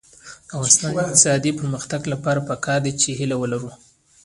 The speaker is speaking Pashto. د افغانستان د اقتصادي پرمختګ لپاره پکار ده چې هیلې ولرو.